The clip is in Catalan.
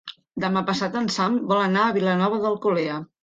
Demà passat en Sam vol anar a Vilanova d'Alcolea.